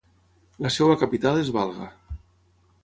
La seva capital és Valga.